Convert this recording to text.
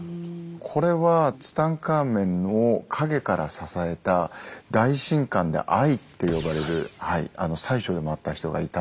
これはツタンカーメンを陰から支えた大神官で「アイ」って呼ばれる宰相でもあった人がいたのと